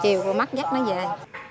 chiều rồi mắc dắt nó về